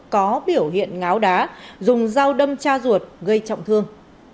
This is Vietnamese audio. có biểu hiện ngáo đá dùng dao đâm cha ruột gây trọng thương